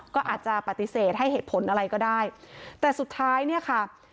ก็อาจจะปฏิเสธให้เหตุผลอะไรก็ได้แต่สุดท้ายเนี่ยค่ะ